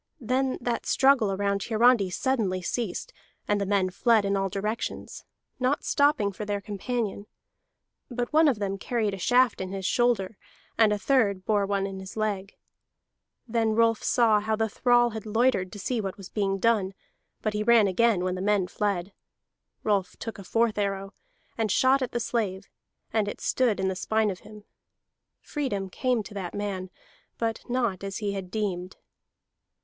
Then that struggle around Hiarandi suddenly ceased, and the men fled in all directions, not stopping for their companion; but one of them carried a shaft in his shoulder, and a third bore one in his leg. And then Rolf saw how the thrall had loitered to see what was being done, but he ran again when the men fled. Rolf took a fourth arrow, and shot at the slave, and it stood in the spine of him. Freedom came to the man, but not as he had deemed.